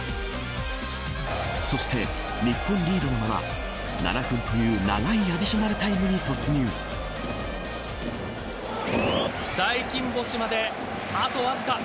そして、日本リードのまま７分という長いアディショナルタイム大金星まで、あとわずか。